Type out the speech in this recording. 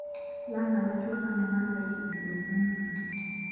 Kubanga abakiwakanya baali bayitiridde obungi.